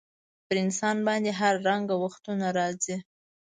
پر انسان باندي هر رنګه وختونه راځي.